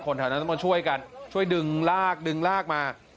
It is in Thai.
แถวนั้นต้องมาช่วยกันช่วยดึงลากดึงลากมา